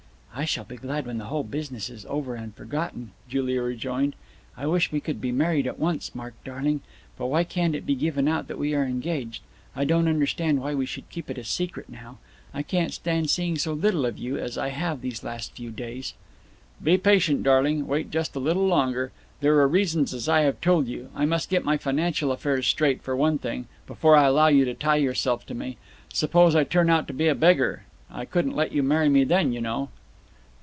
"I shall be glad when the whole business is over and forgotten," Julia rejoined. "I wish we could be married at once, Mark darling. But why can't it be given out that we are engaged. I don't understand why we should keep it a secret now. I can't stand seeing so little of you as I have these last few days." "Be patient, darling, wait just a little longer. There are reasons, as I have told you. I must get my financial affairs straight, for one thing, before I allow you to tie yourself to me. Suppose I turn out to be a beggar? I couldn't let you marry me then, you know."